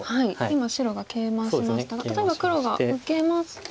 今白がケイマしましたが例えば黒が受けますと。